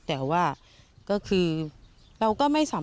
ไม่อยากให้มองแบบนั้นจบดราม่าสักทีได้ไหม